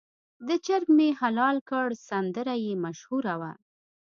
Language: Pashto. د چرګ مې حلال کړ سندره یې مشهوره وه.